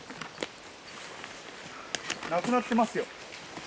なくなってますよ。